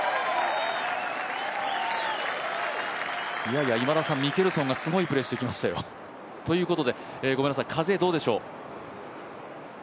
いやいや、今田さんミケルソンがすごいプレーしてきましたよ。ということで風どうでしょう？